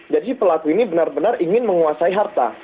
jadi pelaku ini benar benar ingin menguasai harta